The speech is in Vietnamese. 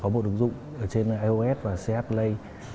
có một ứng dụng trên ios và ch play